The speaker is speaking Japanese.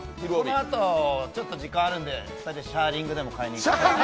このあと時間があるんでシャーリングでも買いに行きます。